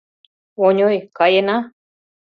Оньой, каена.